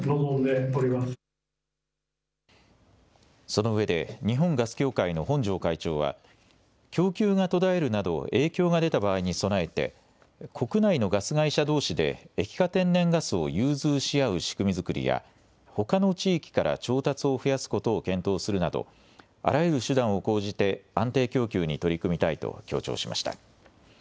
そのうえで日本ガス協会の本荘会長は供給が途絶えるなど影響が出た場合に備えて国内のガス会社どうしで液化天然ガスを融通し合う仕組み作りやほかの地域から調達を増やすことを検討するなどあらゆる手段を講じて安定供給に取り組みたいと強調しました。